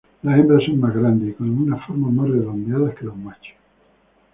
Las hembras son más grandes y con una forma más redondeada que los machos.